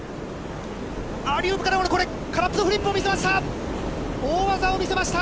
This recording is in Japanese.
アリウープからこれ、フリップを見せました。